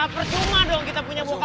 percuma dong kita punya bukaan